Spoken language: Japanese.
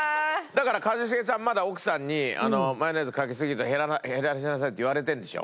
だから一茂さんまだ奥さんにマヨネーズかけすぎると「減らしなさい」って言われてるんでしょ？